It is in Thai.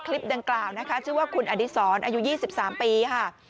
คลิปดังกล่าวนะคะชื่อว่าคุณอดีศรอายุ๒๓ปีค่ะ